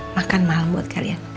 makan malam buat kalian